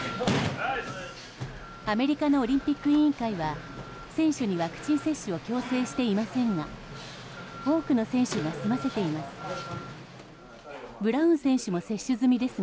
アメリカのオリンピック委員会は選手にワクチン接種を強制していませんが多くの選手が済ませています。